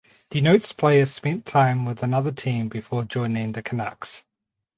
Denotes player spent time with another team before joining the Canucks.